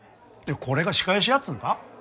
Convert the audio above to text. これが仕返しやっつうんか？